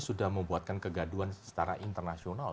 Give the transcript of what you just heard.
sudah membuatkan kegaduan secara internasional